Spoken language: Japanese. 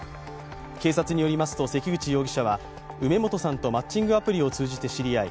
警察によりますと、関口容疑者は梅本さんとマッチングアプリを通じて知り合い